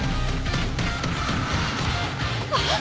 あっ！